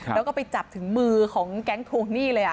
แล้วก็ไปจับถึงมือของแก๊งทวงหนี้เลย